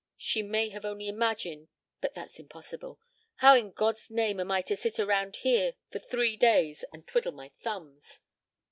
She may have only imagined but that is impossible! How in God's name am I to sit round here for three days and twiddle my thumbs?"